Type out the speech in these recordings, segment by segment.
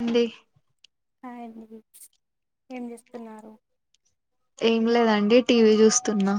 అండి హాయ్ అండి. ఏం చేస్తున్నారు? ఏం లేదండి, టీవీ చూస్తున్నా.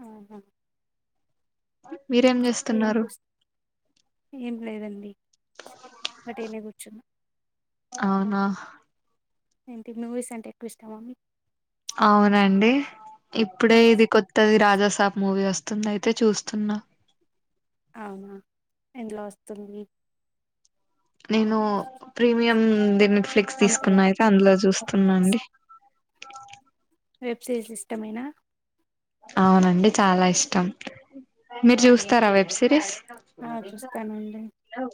ఆహా మీరేం ఏం చేస్తున్నారు? చూస్ ఏం లేదండి వట్టిగనే కూర్చున్నాం. అవునా. ఏంటి మూవీస్ అంటే ఎక్కువ ఇష్టమా మీకు? అవునండి, ఇప్పుడే మూవీస్ ఇది కొత్తది రాజాసాబ్ మూవీ వస్తుంది అయితే చూస్తున్నా. అవునా ఎందులో వస్తుంది. నేను ప్రీమియంది నెట్ఫ్లిక్స్ తీసుకున్నా అమెజాన్ అయితే అందులో చూస్తున్నా నెట్ఫ్లిక్స్ అండి. వెబ్ సిరీస్ సిస్టమేనా. అవునండి చాలా ఇష్టం. మీరు చూస్తారా వెబ్ సిరీస్. ఆ చూస్తానండి హలో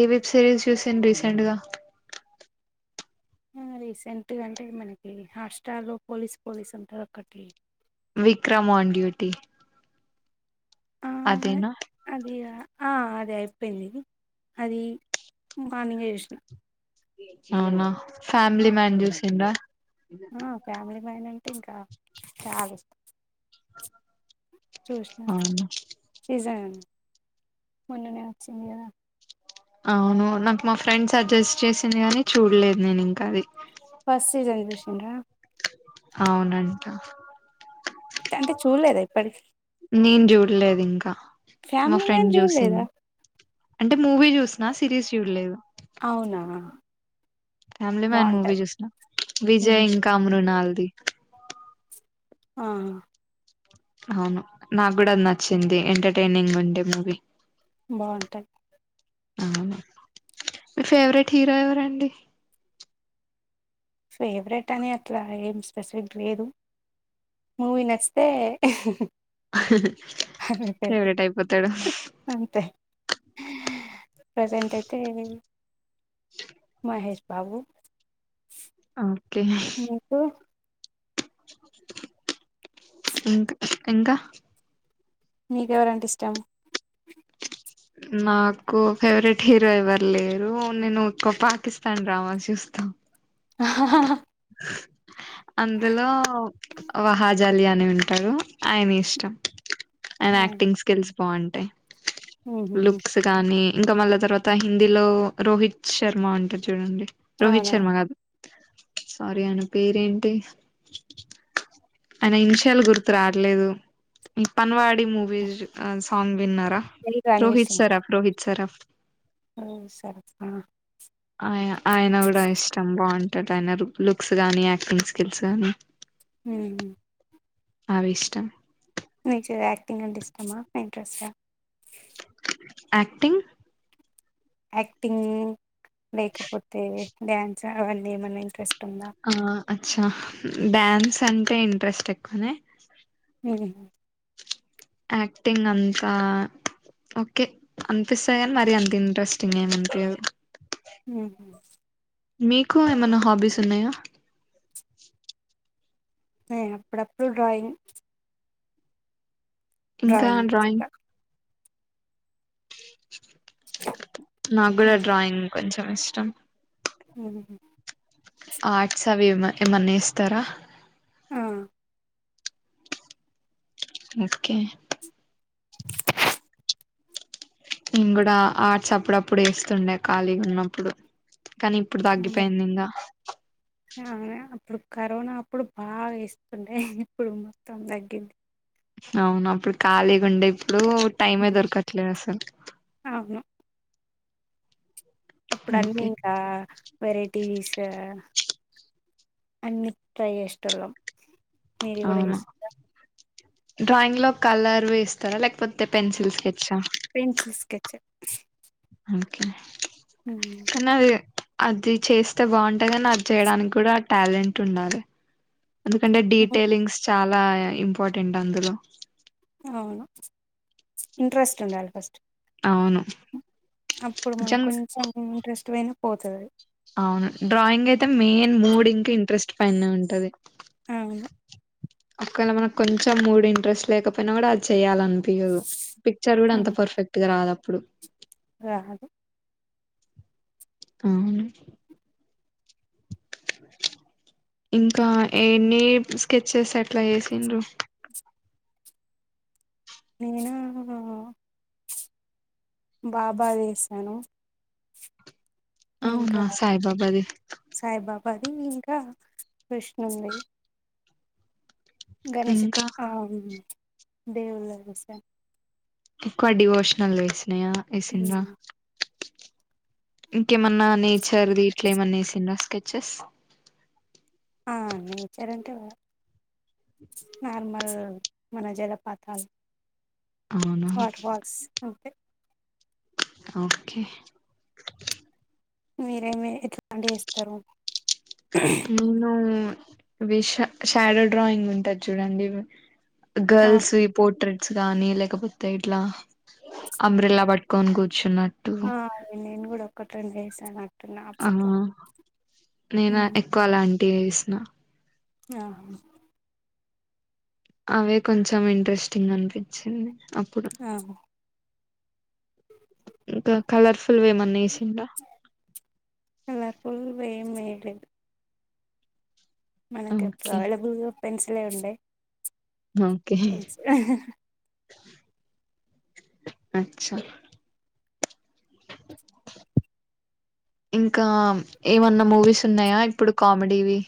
ఏ వెబ్ సిరీస్ చూసింర్రు రీసెంట్గా. రీసెంట్గా అంటే మనకి హాట్స్టార్ లో పోలీస్ పోలీస్ ఉంటది ఒక్కటి విక్రమ్ ఆన్ డ్యూటి. ఆ అదిగా ఆ అది అయిపోయింది. అది మార్నింగే చూశిన. అవునా ఫ్యామిలీ మ్యాన్ చూసింర్రా. ఆ ఫ్యామిలీమ్యాన్ అంటే ఇంకా చాలిష్టం. చూశిన అవును సీజన్ మొన్ననే వచ్చింది కదా. అవును నాకు మా ఫ్రెండ్ సజెస్ట్ చేసింది కాని చూడలేదు నేను ఇంకా అది. ఫస్ట్ సీజన్ చూశింర్రా. అవునంటా. అంటే చూడలేదా ఇప్పటికి నేను చూడలేదు ఇం మా ఫ్యామిలీ ఫ్రెండ్ మ్యాన్ జూసిది చూడలేదా అంటే మూవీ చూసిన సిరీస్ చూడలేదు అవునా ఫ్యామిలీ మ్యాన్ మూవీ బాగుంటది చూసిన విజయ్ ఉమ్. ఇంకా మృనాల్ ఆ అవును నాకు కూడా అది నచ్చింది ఎంటర్టైనింగ్ ఉండే మూవీ బాగుంటాయి అవును మీరు ఫేవరెట్ హీరో ఎవరండి ఫేవరెట్ అని అట్లా ఏం స్పెసిఫిక్ లేదు మూవీ నచ్చితే అ ఫేవరెట్ అయిపోతాడు అంతే ప్రెజెంట్ అయితే మహష్ బాబు ఓకే నీకు ఇంకా ఇంకా నీకెవరంటే ఇష్టం నాకు ఫేవరెట్ హీరో ఎవరు లేరు నేనుక్కువ పాకిస్తాన్ డ్రామా చూస్తా త ఆ అందులో వహాజాలి అని ఉంటారు ఆయన ఇష్టం అయన అవును యాక్టింగ్ స్కెల్స్ బాగుంటాయి ఉహుహు. లుక్స్ కానీ ఇంకా మళ్ళా తర్వాత హిందీలో రోహిత్ శర్మ ఉంటారు చూడండి రోహిత్ అవునా శర్మ కాదు సారీ అయన పేరేంటి అయన ఇషాలు గుర్తు రావలేదు ఇ పని వాడ మూవీ సాంగ్ విన్నారు రోహ రణవీర్ సింగ్ సరాఫ రోహ సరాఫ ఓ సరపా ఆ ఆయ ఆయన కూడా ఇష్టం బాగుంటాడు ఆయన లుక్స్ గానీ యాక్టింగ్ స్కిల్స్ గానీ ఉ హ అవి ఇష్టం మీకు యాక్టింగ్ అంటే ఇష్టమా ఇంట్రెస్ ట యాక్టింగ్ యాక్టింగ్ లేకపోతే డ్యాన్స్ అవన్నీ ఏమైన్నా ఇంట్రెస్ట్ ఉందా ఆ అచ్చా డ్యాన్స్ అంటే ఇంట్రెస్ట్ ఎక్కువనే ఉ హ యాక్టింగ్ అంతా ఓకే అనిపిస్తా నీ మరి అంత ఇంట్రెస్టింగ్ ఏమంత ఉహు మీకు ఏమైనా హాబీస్ ఉన్నాయా అప్పుడప్పుడు డ్రాయింగ్ డ్రాయింగ్ ఇక నాకు కూడా డ్రాయింగ్ కొంచం ఇష్టం ఉ హ ఆర్ట్స్ అవి ఏమ ఏమన్నా ఇస్తారా ఆ ఓకే ఇం కూడా ఆర్ట్స్ అప్పుడప్పుడు వేస్తుండే ఖాళీగా ఉన్నప్పుడు కానీ ఇప్పుడు అదే తగ్గిపోయింది ఇంకా అవును అప్పుడు కరోనా అప్పుడు బాగా వేస్తుండ్ ఇప్పుడు మొత్తం తగ్గింది అవును అప్పుడు ఖాళీగా ఉండే ఇప్పుడు టైమే హ్మ్. దొరకాట్లే అవును అప్పుడు అన్నవీకా వెరైటీస్ అన్ని ట్రై చేసేటోళ్లం మీరు కూడా అవును చేసిండ్రా డ్రాయింగ్ లో కలర్ వేస్తారా లేకపోతే పెన్సిల్ సెట్సా పెన్సిల్ స్కెచ్ ఒకే ఉహు అది చేస్తే బాగుంటయి కనీ అది చేయడానికి కూడా ఆ టాలెంట్ ఉండాలి ఎందుకంటే డీటెయిలింగ్స్ చాలా ఇంపార్టెంట్ అందులో అవును ఇంట్రెస్ట్ ఉండాలి ఫస్ట్ అవును అప్పుడు మన నిజంగా కొంచెం ఇంట్రెస్ట్ పోయినా పోతది అది అవును డ్రాయింగ్ అయితే మెయిన్ మూడ్ ఇంక ఇంట్రెస్ట్ పైనే ఉంటది అవును ఒకవేళ మనకు కొంచెం మూడ్ ఇంట్రెస్ట్ లేకపోయినా కూడా అది చెయ్యాలనిపియదు పిక్చర్ కుడా అంత హ్మ్. పర్ఫెక్ట్ గ రాదు అప్పుడు రాదు అవును ఇంకా ఎన్ని స్కెచెస్ అట్లా చేసిండ్రు నేను బాబా దెసాను అవునా ఇంకా సాయిబాబాది సాయిబాబా అది ఇంకా కృష్ణుంది గణేేషుడు ఇంకా ఆ దేవుళ్ళది వేసాను ఎక్కువ డివోషనల్ వేసినాయా ఎసిండ్రా ఇంకేమన్నా నేచర్ది ఇట్లా ఏమన్నా ఎసిండ్రా స్కెచెస్ ఆ నేచర్ అంటే నార్మల్ మన జలపాతాలు అవునా వాటర్ ఫాల్స్ అంతే ఓకే మీరేమి ఎట్లాంటియి ఎస్తరు నేను విష షాడో డ్రాయింగ్ ఉంటది చూడండి ఆ గర్ల్స్ వి పోర్ట్రెట్స్ గానీ లె కాపోతే ఇట్లా అంబ్రిల్లా పట్టుకొని కూర్చున్న ఆ నేను గుడా ఒకట్రెండు ఎసాను అ ఆ నేను ఎక్కువ అలాంటియి ఎసిన ఆ అవే కొంచెం ఇంట్రెస్టింగ్ అనిపించింది అప్పుడు ఆ ఇంకా కలర్ఫుల్ వేమన్న ఎసిండ్రా ఫుల్ వేమ్ ఏయ్యలేదు మనకి అప్పుడు ఓకే అవైలబుల్ గా పెన్సిలే ఉండే ఓకే పెన్సిల్ అచ్చా ఇంకా ఏమన్నా మూవీస్ ఉన్నాయా ఇప్పుడు కామెడివి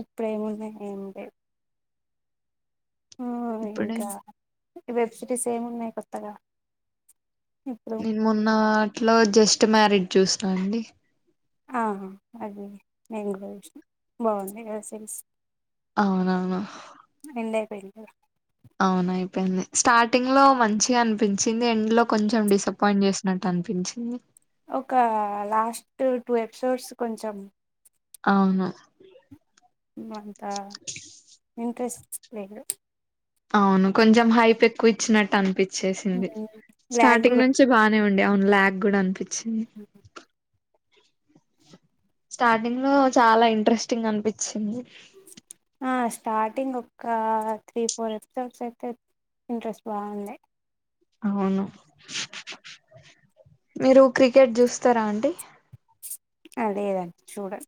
ఇప్పుడేమున్నాయి ఏం లేవ్ హ్మ్ ఇప్పుడే ఇంకా వెబ్ సిరీస్ ఏమి ఉన్నాయి కొత్తగా ఇప్పుడు నేను మొన్న అట్లో జస్ట్ మ్యారీడ్ చూసిన అండి అవును అది నేను కూడా చుషిన బాగుంది కదా సిరీస్ అవునవును ఏ అవును అయిపోయింది స్టార్టింగ్ లో మంచిగా అనిపించింది ఎండ్ లో కొంచెం డిసప్పయింట్ చేసినట్టు అ అనిపించింది ఒక లాస్ట్ టూ ఎపిసోడ్స్ కొంచెం అవును అంతా ఇంంట్రెస్ట్ లేదు అవును కొంచెం హైప్ ఎక్కువ ఇచ్చినట్టు అనిపిచ్చేసింది ఉమ్. బ్లాక్ స్టార్టింగ్ కూడా నుంచి బానే ఉండే అండి అవును లాగ్ కూడా అనిపించింది స్టార్టింగ్ లో చాలా ఇంట్రెస్టింగ్ అనిపించింది ఆ స్టార్టింగ్ ఒక త్రీ ఫోర్ ఎపిసోడ్స్ అయితే ఇంట్రెస్ట్ బాగుంది అవును మీరు క్రికెట్ చూస్తారా అండి అదే గదా చూడన్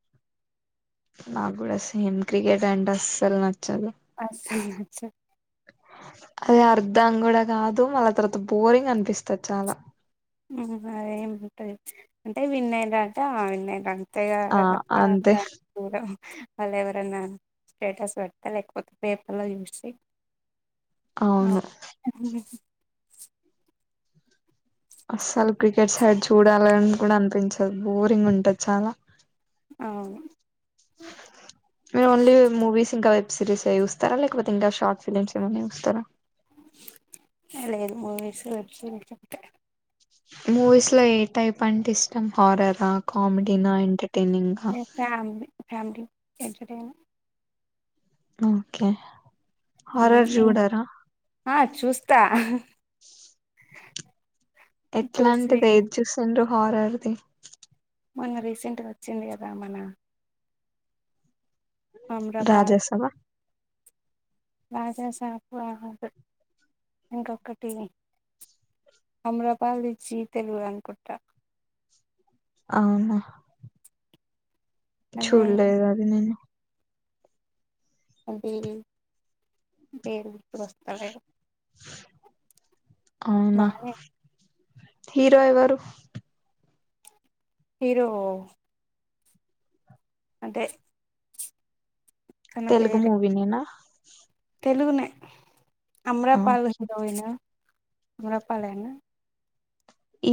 నాకు కూడా సేమ్ క్రికెట్ అంటే అస్సలు నచ్చదు అస్సలు నచ్చదు అది అర్ధం కూడా కాదు మళ్ళ తర్వాత బోరింగ్ అనిపిస్తది చాలా మ్మ్ హ్హ్ అదే ఉంటాంది అంటే విన్నాయరంట ఆ విన్నయింరంట ఆ కొత్తగా పాత అంతే వాళ్ళ ఎవరన్నా స్టేటస్ పెడతా లేకపోతే పేపర్లో చూసి అఓ అవును మ్మ్ హ్హ్ అస్సలు క్రికెట్ సైడ్ చూడాలని కూడా అనిపించదు బోరింగ్ ఉంటది చాలా అవును మీరు ఓన్లీ మూవీస్ ఇంకా వెబ్ సిరీస్ చూస్తారా లేకపోతే ఇంకాషార్ట్ ఫిల్మ్స్ ఏమన్నా చూస్తారా లేదు మూవీస్ వెబ్ సిరీస్ అంటే మూవీస్ లో ఏ టైప్ అంటే ఇష్టం హర్రర్ నా కామెడి నా ఎంటర్టైనింగ్ కామెడీ ఎంటర్టైనే ఓకే హర్రరు చూడారా చుస్తా ఎట్లా చూసి అంటిది ఏది చూసిండ్రు హారర్ది మొన్న రీసెంట్గా వచ్చింది కదా మన అమ్రపాల్ రాజసాబ్ రాజా సాబ్ కాదు ఇంకొకటి అమాలపాల్ ది జీ తెలుగు అనుకుంటా అవునా అదే చూల్లేదు అది నేను పేరు గుర్తుకు వస్తలేదు అవునా బానే హీరో ఎవరు హీరో అదే తన తెలుగు పేరు మూవీ నేనా తెలుగునే అమాలపాల్ ఓకే దగ్గర పొయినా అమారపాల్ ఏనా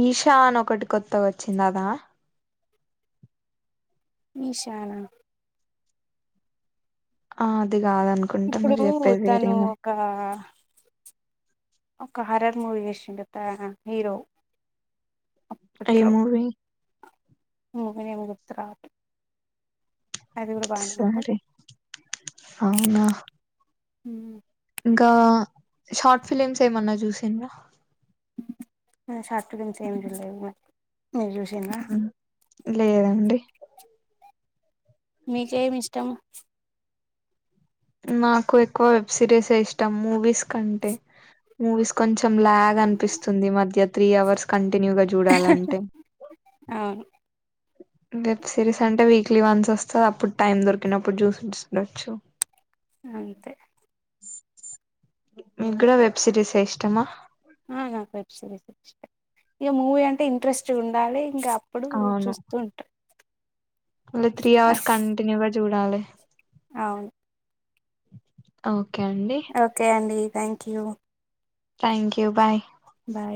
ఈషా అని ఒకటి కొత్తగా వచ్చింది అదా నిశానా ఆ అది కాదనుకుంట ఇప్పుడు మీరు చెప్పేది తను వేరేమో ఒక ఒక హర్రర్ మూవీ చేసిండు హీరో ఏ మూవీ మూవి నేమ్ గుర్తురాదు అది గూడా బానే ఉంటది సరే అవునా ఇంకా షార్ట్ ఫిలిమ్స్ ఏమన్నా చూసిండ షాట్ ఫిల్మ్ చూళ్ళే ఏంలే లేదండి మీకేమి ఇష్టం నాకు ఎక్కువ వెబ్ సిరీస్ ఇష్టం మూవీస్ కంటే మూవీస్ కొంచెం కొంచెం లాగ అనిపిస్తుంది మధ్య త్రీ అవర్స్ కంటే కంటిన్యూగా చూడాలంటే అవును వెబ్ సిరీస్ అంటే వీక్లీ వన్స్ వస్తుంది అప్పుడు టైమ్ దొరికినప్పుడు చూసిండచ్చు అంతే మీకు డ వెబ్ సీరీస్ ఇష్టమా ఇంక మూవీ అంటే ఇంట్రెస్ట్ ఉండాలి ఇంకా అప్పుడు చూస్తూ ఉంటారు అ త్రీ హవేర్స్ కంటిన్యూ చూడాలి అవును ఓకే అండి ఓకే అండి thank you thank you bye bye